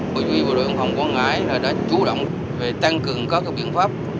bộ chủ yếu của đội hồng quán ngại đã chú động về tăng cường các biện pháp